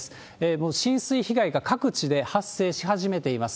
もう浸水被害が各地で発生し始めています。